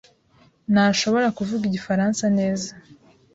ntashobora kuvuga igifaransa neza.